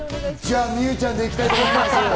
じゃあ、望結ちゃんでいきたいと思います。